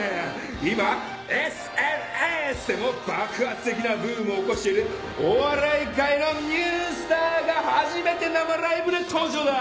今ＳＮＳでも爆発的なブームを起こしているお笑い界のニュースターが初めて生ライブで登場だ！